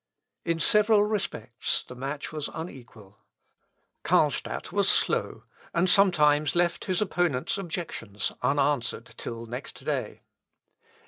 In several respects the match was unequal. Carlstadt was slow, and sometimes left his opponent's objections unanswered till next day.